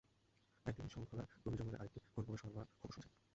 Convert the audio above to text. একই দিন শংখলার গভীর জঙ্গলে আরেকটি গণকবরের সন্ধান পাওয়ার খবর শোনা যায়।